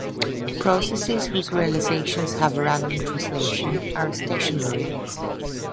Processes whose realizations have a random translation are stationary.